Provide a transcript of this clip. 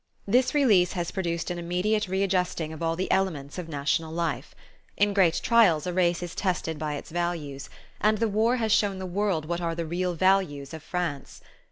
This release has produced an immediate readjusting of all the elements of national life. In great trials a race is tested by its values; and the war has shown the world what are the real values of France.